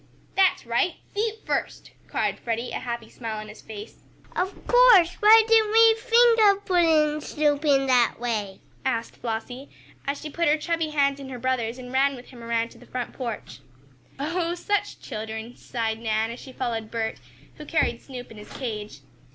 "That's right! Feet first!" cried Freddie, a happy smile on his face. "Of course! Why didn't we think of putting Snoop in that way?" asked Flossie, as she put her chubby hand in her brother's and ran with him around to the front porch. "Oh, such children!" sighed Nan as she followed Bert, who carried Snoop in his cage.